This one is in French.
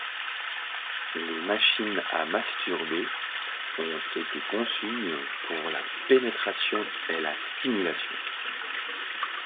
Les machines à masturber ont été conçues pour la pénétration et la stimulation.